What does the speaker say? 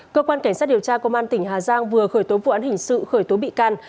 cơ quan cảnh sát điều tra công an tỉnh hà giang vừa khởi tố vụ án hình sự khởi tố bị can